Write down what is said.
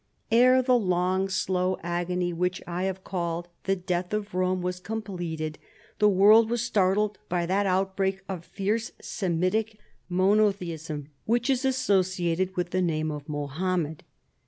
Ere the long, slow agony which I have called the death of Rome was completed, the world was startled by that outbreak of fierce Semitic monothe ism which is associated with the name of Moham med.